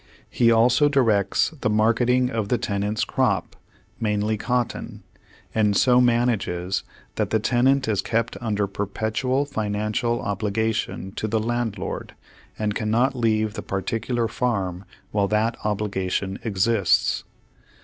He also directs the marketing of the tenants' crop, mainly cot ton, and so manages that the tenant is kept under perpetual financial obligation to the landlord and cannot leave the particular farm while that obli gation exists.